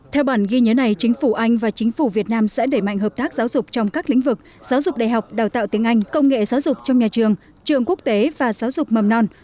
theo bản ghi nhớ này chính phủ anh và chính phủ việt nam sẽ đẩy mạnh hợp tác giáo dục trong các lĩnh vực giáo dục đại học đào tạo tiếng anh công nghệ giáo dục trong nhà trường trường quốc tế và giáo dục mầm non